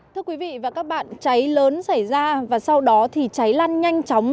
thưa quý vị và các bạn cháy lớn xảy ra và sau đó thì cháy lan nhanh chóng